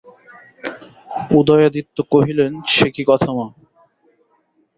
উদয়াদিত্য কহিলেন, সে কী কথা মা।